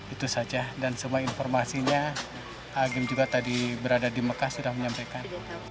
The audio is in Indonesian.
itu saja dan semua informasinya agim juga tadi berada di mekah sudah menyampaikan